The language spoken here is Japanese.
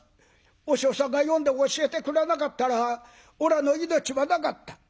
和尚さんが読んで教えてくれなかったらおらの命はなかった」。